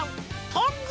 トング！